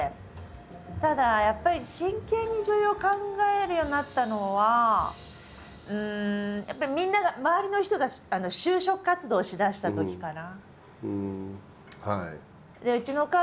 ただやっぱり真剣に女優を考えるようになったのはやっぱりみんなが周りの人が就職活動しだしたときかな。